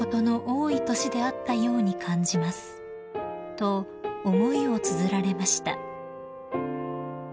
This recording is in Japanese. ［と思いをつづられました］